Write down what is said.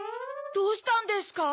どうしたんですか？